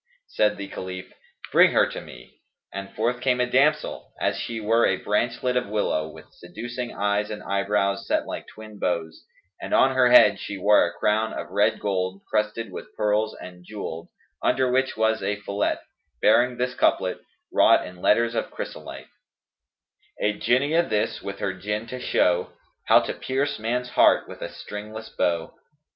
Said the Caliph, "Bring her to me;" and forth came a damsel, as she were a branchlet of willow, with seducing eyes and eyebrows set like twin bows; and on her head she wore a crown of red gold crusted with pearls and jewelled, under which was a fillet bearing this couplet wrought in letters of chrysolite, "A Jinniyah this, with her Jinn, to show * How to pierce man's heart with a stringless bow!"